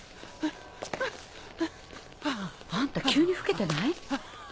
あんた急に老けてない？